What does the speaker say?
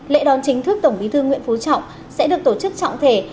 lễ đón chính thức tổng bí thư nguyễn phú trọng sẽ được tổ chức trọng thể